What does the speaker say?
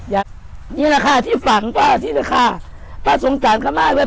อย่างนี้นะค่ะที่ฝังป้าที่ฆ่าป้าทรงจาลกันมากเลย